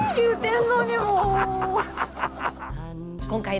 うん！